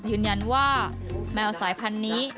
ยืนยันว่าแมวสายพันธุ์นี้